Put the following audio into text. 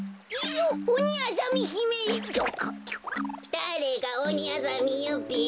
だれがオニアザミよべ。